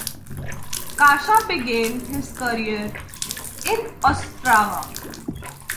Kasha began his career in Ostrava.